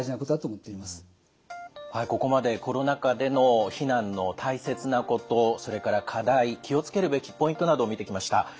はいここまでコロナ禍での避難の大切なことそれから課題気を付けるべきポイントなどを見てきました。